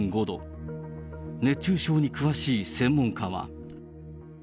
熱中症に詳しい専門家は。